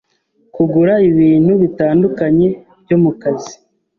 c kugura ibintu bitandukanye byo mu kazi,